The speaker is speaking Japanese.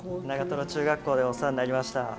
長瀞中学校でお世話になりました。